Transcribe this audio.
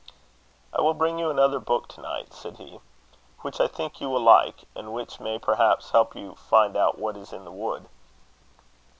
"I will bring you another book to night," said he "which I think you will like, and which may perhaps help you to find out what is in the wood."